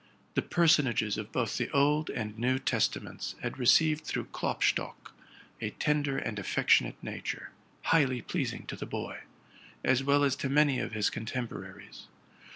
The personages of both the Old and New Testaments had re ceived through Klopstock a tender and affectionate nature, highly pleasing to the boy, as well as to many of his con temporaries.